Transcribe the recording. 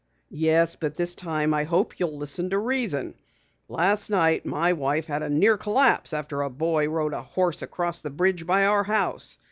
"Yes, but this time I hope you'll listen to reason. Last night my wife had a near collapse after a boy rode a horse across the bridge by our house.